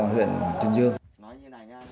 học viện tuyên dương